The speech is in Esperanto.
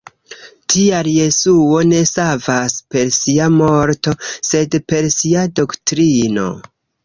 Tial Jesuo ne savas per sia morto, sed per sia doktrino.